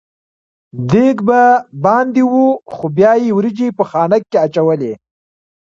دېګ به باندې و خو بیا یې وریجې په خانک کې اچولې.